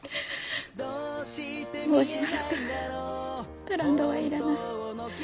もうしばらくブランドはいらない。